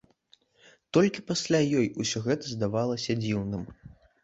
Толькі пасля ёй усё гэта здавалася дзіўным.